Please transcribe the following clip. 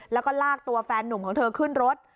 แล้วก็ลากตัวแฟนนุ่มของเธอขึ้นรถ